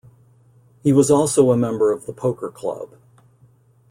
He was also a member of The Poker Club.